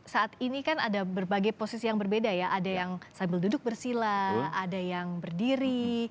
saat ini kan ada berbagai posisi yang berbeda ya ada yang sambil duduk bersila ada yang berdiri